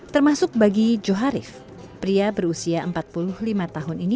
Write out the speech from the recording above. termasuk bagi joharif pria berusia empat puluh lima tahun ini